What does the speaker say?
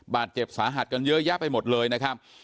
บาดเจ็บสาหัสกันเยอะแยะไปหมดเลยนะครับ